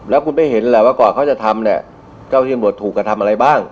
แล้วคุณไม่เห็นแหละว่าก่อนเขาจะทำเนี่ยเจ้าที่ตำรวจถูกกระทำอะไรบ้าง